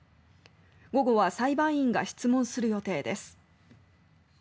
午後は裁判員が質問する予定です。